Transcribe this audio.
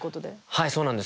はいそうなんですよ。